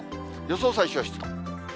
予想最小湿度。